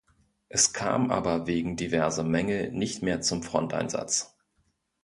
Es kam aber wegen diverser Mängel nicht mehr zum Fronteinsatz.